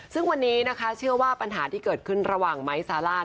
ซึ่งวันนี้นะคะเชื่อว่าปัญหาที่เกิดขึ้นระหว่างไม้ซาร่า